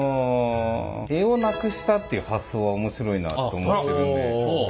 柄をなくしたっていう発想は面白いなと思ってるんで。